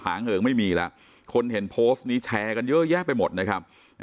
เหิงไม่มีแล้วคนเห็นโพสต์นี้แชร์กันเยอะแยะไปหมดนะครับ